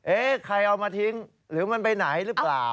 ใครเอามาทิ้งหรือมันไปไหนหรือเปล่า